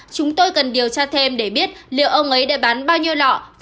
chúng tôi cần điều tra thêm để biết liệu ông ấy để bán bao nhiêu lọ